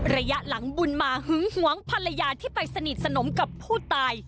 ระยะหลังบุญมาหึงหวงภรรยาที่ไปสนิทสนมกับผู้ตาย